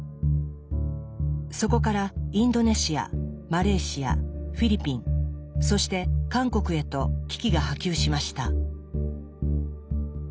そこからインドネシアマレーシアフィリピンそして韓国へと危機が波及しました。